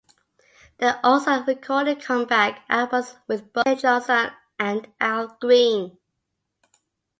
They also recorded comeback albums with both Syl Johnson and Al Green.